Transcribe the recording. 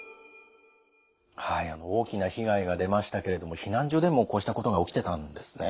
大きな被害が出ましたけれども避難所でもこうしたことが起きてたんですね。